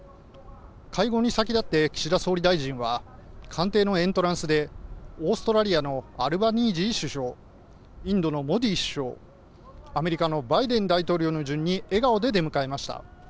会合に先立って岸田総理大臣は官邸のエントランスでオーストラリアのアルバニージー首相、インドのモディ首相、アメリカのバイデン大統領の順に笑顔で出迎えました。